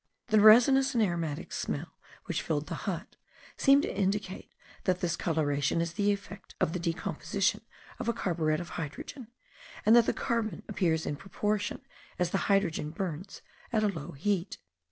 The resinous and aromatic smell which filled the hut, seemed to indicate that this coloration is the effect of the decomposition of a carburet of hydrogen, and that the carbon appears in proportion as the hydrogen burns at a low heat.